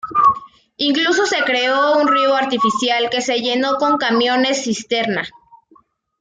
Incluso se creó un río artificial que se llenó con camiones cisterna.